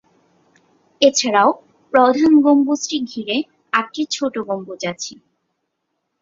এছাড়াও প্রধান গম্বুজটি ঘিরে আটটি ছোট গম্বুজ আছে।